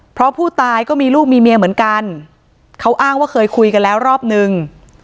เพราะผู้ตายก็มีลูกมีเมียเหมือนกันเขาอ้างว่าเคยคุยกันแล้วรอบนึง